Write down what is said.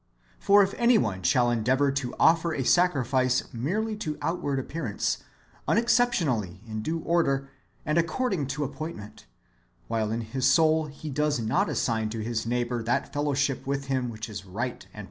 For if any one shall endeavour to offer a sacrifice merely to outward appearance, unexceptionably, in due order, and according to appointment, while in his soul he does not assign to his neigh bour that fellowship with him which is right and proper, nor ■^ Deut.